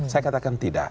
saya katakan tidak